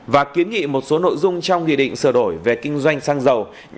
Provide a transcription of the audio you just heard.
và kiến nghị một số nội dung trong nghị định sửa đổi về kinh doanh xăng dầu